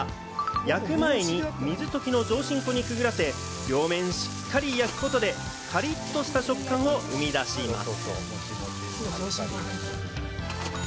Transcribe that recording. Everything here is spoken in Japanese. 焼く前に、水溶きの上新粉にくぐらせ、両面しっかり焼くことで、カリッとした食感を生み出します。